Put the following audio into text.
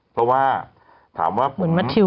เพราะว่าถามว่า